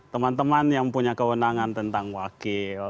teman teman yang punya kewenangan tentang wakil